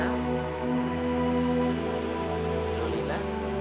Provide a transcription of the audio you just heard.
terbangin burungnya ya